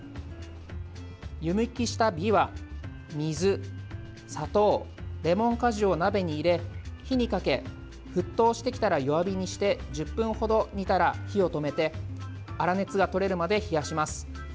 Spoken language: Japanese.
湯むきしたびわ、水、砂糖レモン果汁を鍋に入れ火にかけ、沸騰してきたら弱火にして１０分程度煮たら火を止めて粗熱がとれるまで冷やします。